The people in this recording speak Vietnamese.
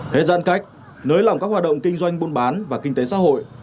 hết giãn cách nới lòng các hoạt động kinh doanh buôn bán và kinh tế xã hội